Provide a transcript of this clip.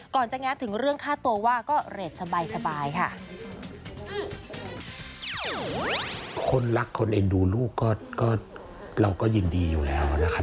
ก่อนจะแงบถึงเรื่องค่าตัวว่าก็เรทสบายสบายค่ะ